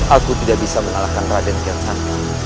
aku tidak bisa menalahkan raden kelsang